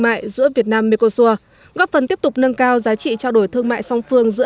mại giữa việt nam mekosur góp phần tiếp tục nâng cao giá trị trao đổi thương mại song phương giữa